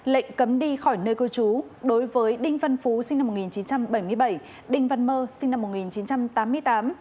lệnh cấm đi khỏi nơi cư trú đối với đinh văn phú sinh năm một nghìn chín trăm bảy mươi bảy đinh văn mơ sinh năm một nghìn chín trăm tám mươi tám